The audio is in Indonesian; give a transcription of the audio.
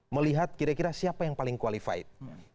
melihat kira kira siapa yang paling qualified